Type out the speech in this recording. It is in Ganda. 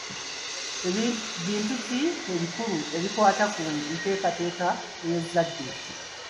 Bintu ki ebikulu ebikwata ku nteekateeka y'ezadde?